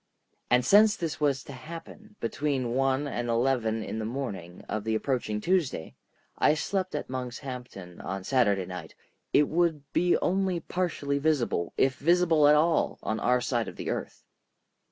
And since this was to happen between one and eleven in the morning of the approaching Tuesday—I slept at Monkshampton on Saturday night,—it would be only partially visible, if visible at all, on our side of the earth.